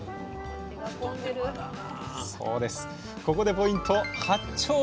ここでポイント八丁